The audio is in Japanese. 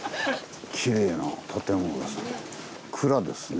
きれいな建物ですね。